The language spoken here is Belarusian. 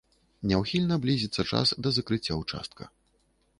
Няўхільна блізіцца час да закрыцця ўчастка.